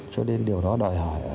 cho nên điều đó đòi hỏi